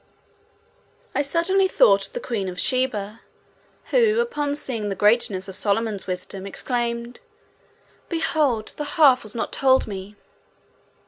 I suddenly thought of the Queen of Sheba, who, upon seeing the greatness of Solomon's wisdom, exclaimed, "Behold, the half was not told me."